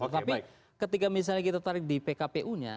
tapi ketika misalnya kita tarik di pkpu nya